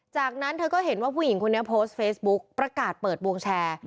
จากนั้นเธอก็เห็นว่าผู้หญิงคนนี้โพสต์เฟซบุ๊กประกาศเปิดวงแชร์